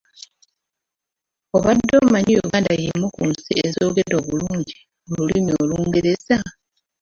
Obadde omanyi Uganda yemu ku nsi ezoogera obulungi olulimi olungereza?